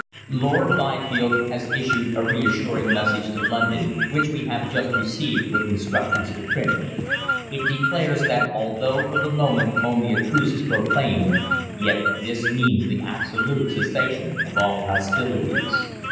"Lord Byfield has issued a reassuring message to London, which we have just received with instructions to print. It declares that although for the moment only a truce is proclaimed, yet this means the absolute cessation of all hostilities.